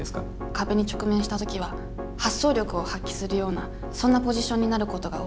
壁に直面した時は発想力を発揮するようなそんなポジションになることが多いです。